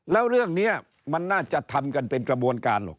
แล้วเรื่องนี้มันน่าจะทำกันเป็นกระบวนการหรอก